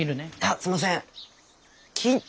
すみません。